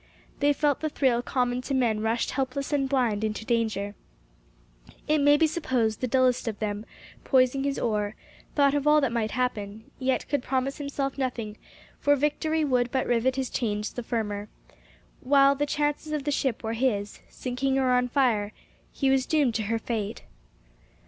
They felt the thrill common to men rushed helpless and blind into danger. It may be supposed the dullest of them, poising his oar, thought of all that might happen, yet could promise himself nothing; for victory would but rivet his chains the firmer, while the chances of the ship were his; sinking or on fire, he was doomed to her fate.